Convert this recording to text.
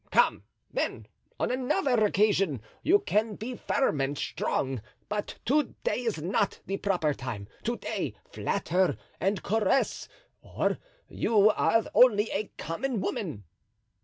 Come, then, on another occasion you can be firm and strong; but to day is not the proper time; to day, flatter and caress, or you are only a common woman."